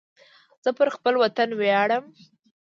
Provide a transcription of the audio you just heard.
زه پر خپل وطن ویاړم